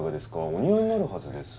お似合いになるはずです。